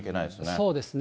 そうですね。